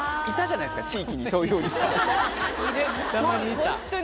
いたじゃないですか地域にそういうおじさん。